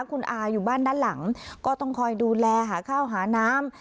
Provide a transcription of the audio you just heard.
คุณอาอยู่บ้านด้านหลังก็ต้องคอยดูแลหาข้าวหาน้ำ